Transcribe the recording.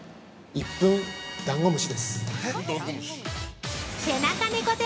「１分ダンゴムシ」！